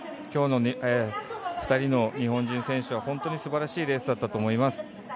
今日の２人の日本人選手は本当にすばらしいレースだったと思います。